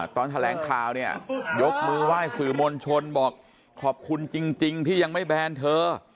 ตอนแถลงข่าวเนี่ยยกมือไหว้สื่อมวลชนบอกขอบคุณจริงที่ยังไม่แบนเธอ